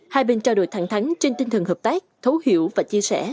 hai bên trao đổi thẳng thắng trên tinh thần hợp tác thấu hiểu và chia sẻ